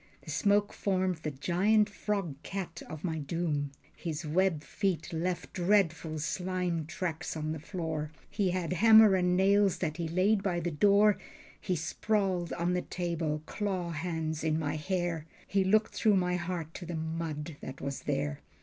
The smoke formed the giant frog cat of my doom. His web feet left dreadful slime tracks on the floor. He had hammer and nails that he laid by the door. He sprawled on the table, claw hands in my hair. He looked through my heart to the mud that was there.